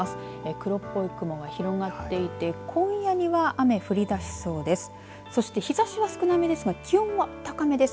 黒っぽい雲が広がっていて今夜には雨、降りだしそうです。